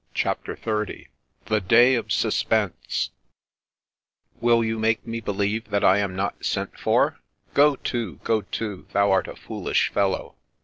CHAPTER XXX tSbt 9iis ot Su0pen0e '* Will you make me believe that I am not sent for ...? Go to, go to, thou art a foolish fellow!